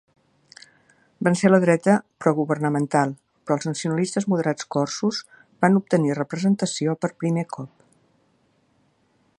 Vencé la dreta progovernamental, però els nacionalistes moderats corsos van obtenir representació per primer cop.